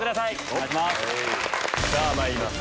さぁまいります。